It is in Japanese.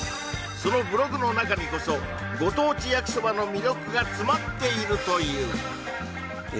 そのブログの中にこそご当地焼きそばの魅力が詰まっているというえ